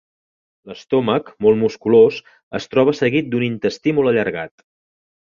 L'estómac, molt musculós, es troba seguit d'un intestí molt allargat.